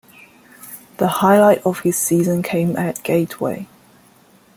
The highlight of his season came at Gateway.